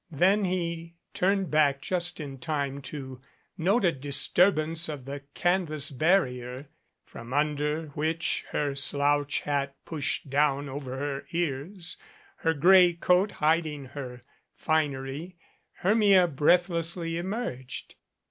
Then he turned back just in time to note a disturbance of the canvas barrier, from under which, her slouch hat pushed down over her ears, her gray coat hiding her finery, Hermia breathlessly emerged.